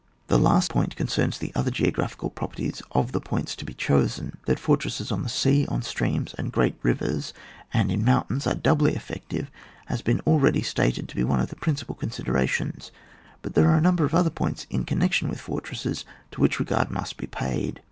The last point concerns the other geo graphical properties of the points to be chosen. That fortresses on the sea, on streams and great rivers, and in moim tains, are doubly effective, has been al ready stated to be one of the principal considerations ; but there are a number of other points in connection with for tresses to which regard mu^t be paid.